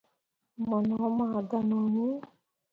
Mo no maa ganoni.